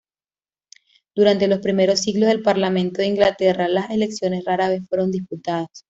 Durante los primeros siglos del Parlamento de Inglaterra, las elecciones rara vez fueron disputadas.